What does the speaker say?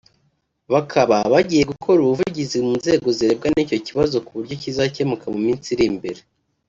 Bakaba bagiye gukora ubuvugizi mu nzego zirebwa n’icyo kibazo ku buryo kizakemuka mu minsi iri imbere